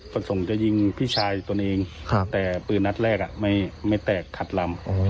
ประสงค์จะยิงพี่ชายตนเองแต่ปืนนัดแรกไม่แตกขัดลำ